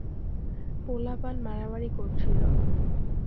পোলাপান মারামারি করছিল।